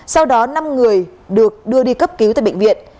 sau đó năm người được đưa đi cấp cứu tại bệnh viện